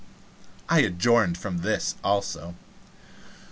I adjourned from there also.